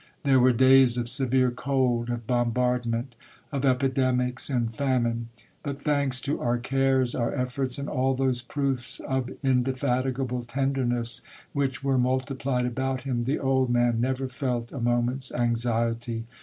There were days of severe cold, of bombardment, of epidemics and famine. But, thanks to our cares, our efforts, and all those proofs of indefatigable tenderness which were mul tipHed about him, the old man never felt a moment's anxiety.